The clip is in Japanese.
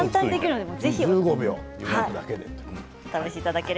１５秒ゆがくだけですね。